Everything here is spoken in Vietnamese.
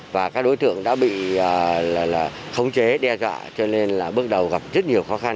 và các đối tượng đã bị khống chế đe dọa cho nên là bước đầu gặp rất nhiều khó khăn